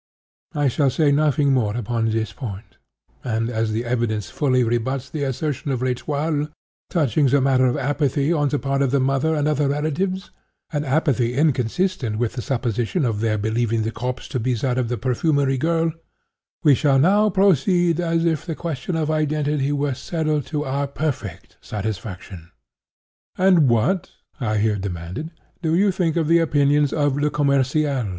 I shall say nothing more upon this point; and, as the evidence fully rebuts the assertion of L'Etoile, touching the matter of apathy on the part of the mother and other relatives—an apathy inconsistent with the supposition of their believing the corpse to be that of the perfumery girl—we shall now proceed as if the question of identity were settled to our perfect satisfaction." "And what," I here demanded, "do you think of the opinions of Le Commerciel?"